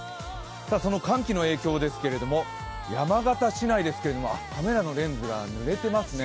その寒気の影響ですけど山形市内ですけどカメラのレンズがぬれてますね。